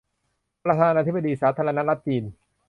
ประธานาธิปดีสาธารณรัฐจีน